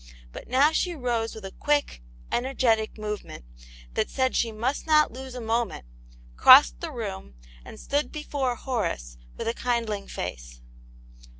But now she rose with a quick, energetic movement, that said she must not lose a moment, crossed the room, and stood before Horace with a kindling face.